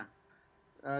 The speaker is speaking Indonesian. dari setiap cabang